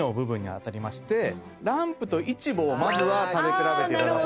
ランプとイチボをまずは食べ比べていただこうと。